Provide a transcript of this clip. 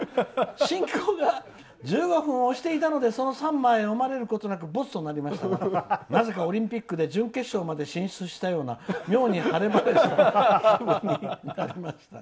進行が１５分押していたのでその３枚が読まれることはなく没となりましたがなぜかオリンピックで準決勝まで進出したような妙な晴れ晴れとした気持ちになりました。